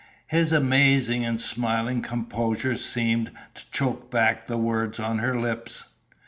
His amazing and smiling composure seemed to choke back the words on her lips.